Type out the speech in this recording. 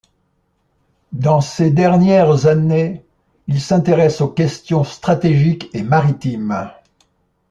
Dans ses dernières années, il s'intéresse aux questions stratégiques et maritimes.